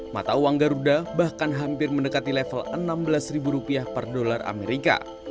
mata uang garuda bahkan hampir mendekati level enam belas per dolar amerika